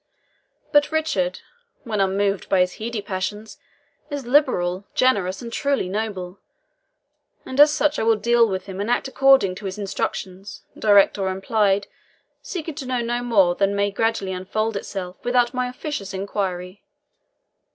But Richard, when unmoved by his heady passions, is liberal, generous, and truly noble; and as such I will deal with him, and act according to his instructions, direct or implied, seeking to know no more than may gradually unfold itself without my officious inquiry.